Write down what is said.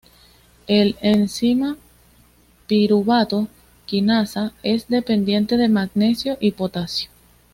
El enzima piruvato quinasa es dependiente de magnesio y potasio.